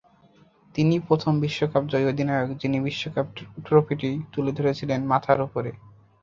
তিনিই প্রথম বিশ্বকাপজয়ী অধিনায়ক, যিনি বিশ্বকাপ ট্রফিটি তুলে ধরেছিলেন মাথার ওপরে।